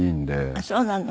ああそうなの？